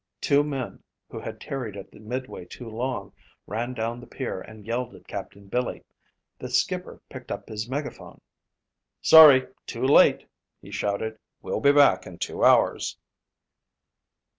Two men who had tarried at the midway too long ran down the pier and yelled at Captain Billy. The skipper picked up his megaphone. "Sorry, too late," he shouted. "We'll be back in two hours."